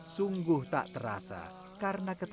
sungguh tak terasa